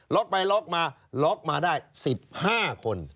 ไปล็อกมาล็อกมาได้๑๕คน